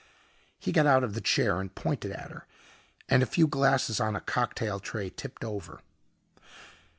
He got out of the chair and pointed at her, and a few glasses on a cocktail tray tipped over.